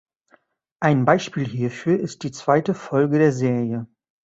Ein Beispiel hierfür ist die zweite Folge der Serie.